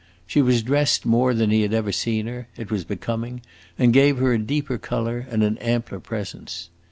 She was dressed more than he had ever seen her; it was becoming, and gave her a deeper color and an ampler presence.